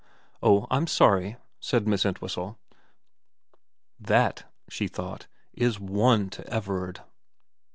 * Oh I'm sorry,' said Miss Entwhistle. ' That,' she thought, * is one to Everard.'